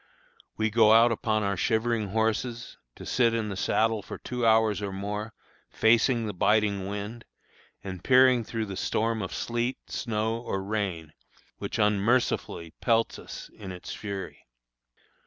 We go out upon our shivering horses, to sit in the saddle for two hours or more, facing the biting wind, and peering through the storm of sleet, snow, or rain, which unmercifully pelts us in its fury.